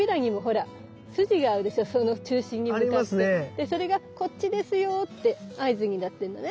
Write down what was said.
でそれがこっちですよって合図になってんのね。